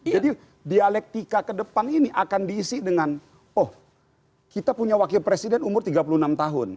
jadi dialektika kedepan ini akan diisi dengan oh kita punya wakil presiden umur tiga puluh enam tahun